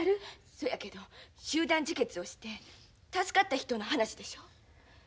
そやけど集団自決をして助かった人の話でしょ？